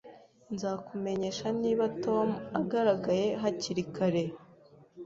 Nzakumenyesha niba Tom agaragaye hakiri kare